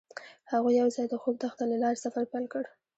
هغوی یوځای د خوږ دښته له لارې سفر پیل کړ.